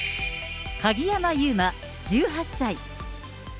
鍵山優真１８歳。